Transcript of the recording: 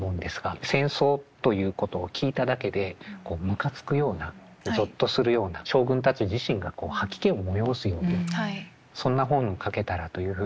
戦争ということを聞いただけでこうむかつくようなゾッとするような将軍たち自身がこう吐き気を催すようなそんな本を書けたらというふうに書いてらっしゃって。